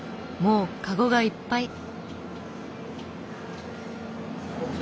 もうかごがいっぱい！